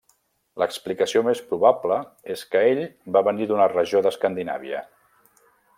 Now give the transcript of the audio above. L'explicació més probable és que ell va venir d'una regió d'Escandinàvia.